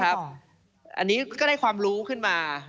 อันนี้ก็ได้ความรู้ขึ้นมา